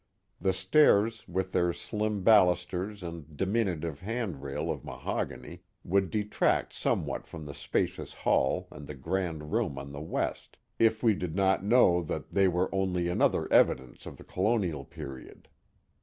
The stairs, with their slim balusters and diminutive hand rail of mahogany, would detract somewhat from the spacious hall and the grand room on the west, if we did not know that they were only another evidence of the colonial period.